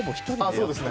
そうですね